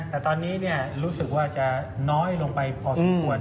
แต่ตอนนี้รู้สึกว่าจะน้อยลงไปพอสมควร